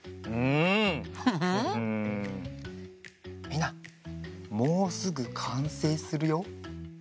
みんなもうすぐかんせいするよ。